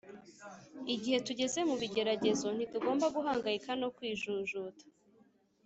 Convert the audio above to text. igihe tugeze mu bigeragezo ntitugomba guhangayika no kwijujuta